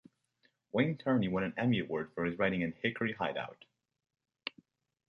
Wayne Turney won an Emmy Award for his writing on "Hickory Hideout".